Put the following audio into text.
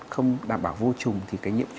không đảm bảo vô trùng thì cái nhiễm